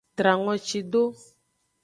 Tran ngoci do.